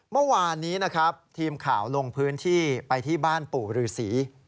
เมื่อวานนี้นะครับทีมข่าวลงพื้นที่ไปที่บ้านปู่ฤษี